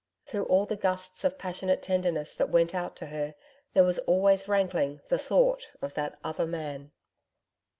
Through all the gusts of passionate tenderness that went out to her, there was always rankling the thought of 'that other man.'